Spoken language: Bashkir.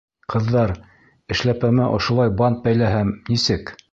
Ҡыҙҙар, эшләпәмә ошолай бант бәйләһәм, нисек?